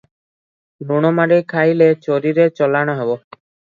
ଲୁଣ ମାରି ଖାଇଲେ ଚୋରୀରେ ଚଲାଣ ହେବ ।